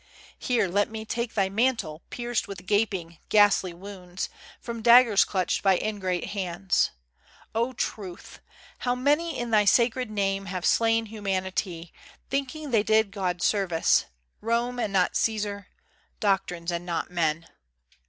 Here, let me take Thy mantle, pierced with gaping, ghastly wounds, From daggers clutched by ingrate hands. O Truth! How many, in thy sacred name, have slain Humanity, thinking they did God service! Rome, and not Cæsar Doctrines, and not Men.